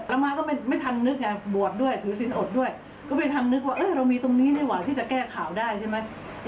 แล้วมาก็ไม่ทันนึกไงบวชด้วยถือสินอดด้วยก็ไปทำนึกว่าเออเรามีตรงนี้ดีกว่าที่จะแก้ข่าวได้ใช่ไหม